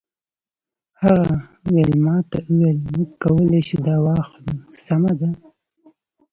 هغه ویلما ته وویل موږ کولی شو دا واخلو سمه ده